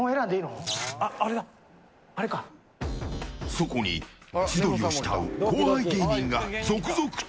そこに千鳥を慕う後輩芸人が続々と。